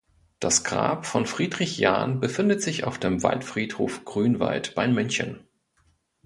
Das Grab von Friedrich Jahn befindet sich auf dem Waldfriedhof Grünwald bei München.